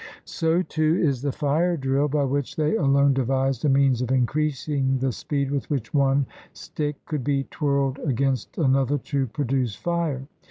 So, too, is the fire drill by which they alone devised a means of increasing the speed with which one stick could be twirled against another to produce fire.